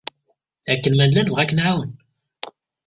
Akken ma nella nebɣa ad k-nɛawen.